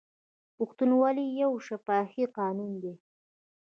پښتونولي یو شفاهي قانون دی.